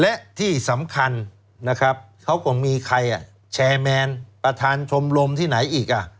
และที่สำคัญนะครับเขาก็มีใครแชร์แมนประธานชมรมที่ไหนอีก